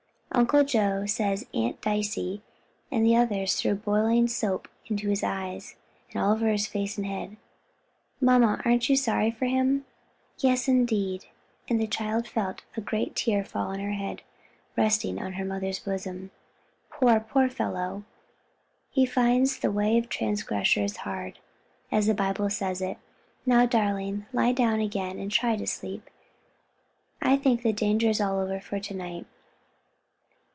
Uncle Joe says Aunt Dicey and the others threw boiling soap into his eyes, and all over his face and head. Mamma aren't you sorry for him?" "Yes, indeed!" and the child felt a great tear fall on her head, resting on her mother's bosom, "poor, poor fellow! he finds the way of transgressors hard, as the Bible says it is. Now, darling, lie down again and try to sleep, I think the danger is all over for to night."